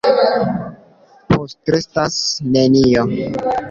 Postrestas nenio.